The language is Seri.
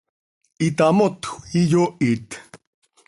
itamotjö, iyoohit.